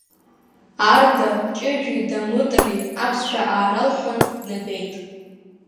Арда Ҷыжәи Дамытреи аԥсшәа ааралҳәан, днатәеит.